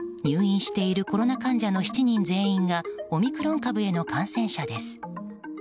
入院しているコロナ患者の７人全員がオミクロン株への感染者です。